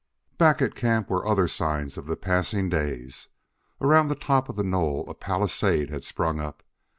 Back at camp were other signs of the passing days. Around the top of the knoll a palisade had sprung up.